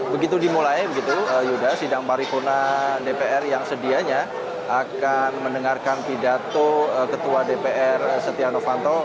begitu dimulai sidang paripurna dpr yang sedianya akan mendengarkan pidato ketua dpr setia novanto